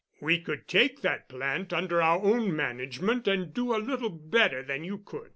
We could take that plant under our own management and do a little better than you could.